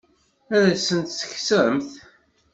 Ad asent-tt-tekksemt?